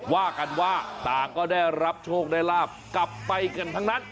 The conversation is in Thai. ว่ากันว่าต่างก็ได้รับโชคได้ลาบกลับไปกันทั้งนั้น